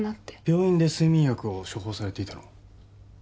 病院で睡眠薬を処方されていたの？